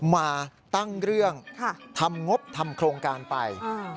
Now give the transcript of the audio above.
มาตั้งเรื่องทำงบทำโครงการไป